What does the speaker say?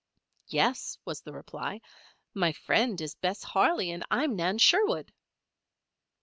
"Yes," was the reply. "My friend is Bess Harley and I am Nan Sherwood."